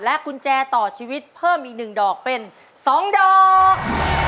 กุญแจต่อชีวิตเพิ่มอีก๑ดอกเป็น๒ดอก